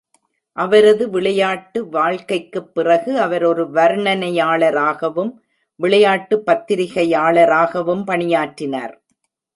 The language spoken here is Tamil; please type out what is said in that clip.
அவரது விளையாட்டு வாழ்க்கைக்குப் பிறகு அவர் ஒரு வர்ணனையாளராகவும் விளையாட்டு பத்திரிகையாளராகவும் பணியாற்றினார்.